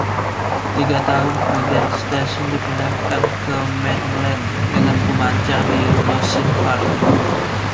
Tiga tahun kemudian, stasiun dipindahkan ke Maitland, dengan pemancar di Lochinvar.